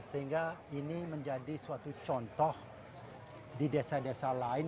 sehingga ini menjadi suatu contoh di desa desa lain